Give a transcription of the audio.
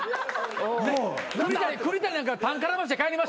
栗谷なんかタン絡ませて帰りましたよ